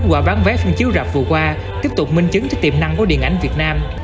cách quả bán vé phân chiếu rạp vừa qua tiếp tục minh chứng tới tiềm năng của điện ảnh việt nam